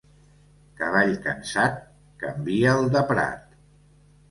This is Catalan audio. Cavall cansat, canvia'l de prat.